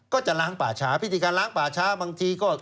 ก็จะล้างป่าช้าพิธีการล้างป่าช้าบางทีก็